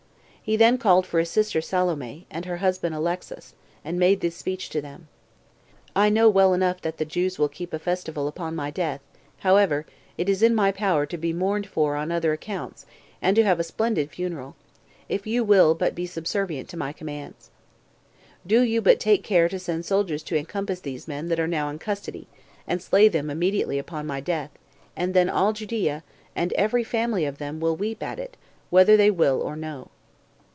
He then called for his sister Salome, and her husband Alexas, and made this speech to them: "I know well enough that the Jews will keep a festival upon my death however, it is in my power to be mourned for on other accounts, and to have a splendid funeral, if you will but be subservient to my commands. Do you but take care to send soldiers to encompass these men that are now in custody, and slay them immediately upon my death, and then all Judea, and every family of them, will weep at it, whether they will or no."